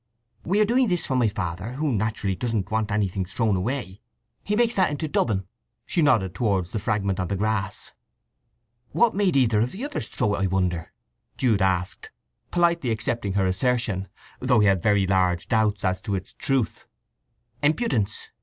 "We are doing this for my father, who naturally doesn't want anything thrown away. He makes that into dubbin." She nodded towards the fragment on the grass. "What made either of the others throw it, I wonder?" Jude asked, politely accepting her assertion, though he had very large doubts as to its truth. "Impudence.